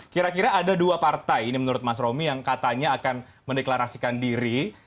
kira kira ada dua partai ini menurut mas romi yang katanya akan mendeklarasikan diri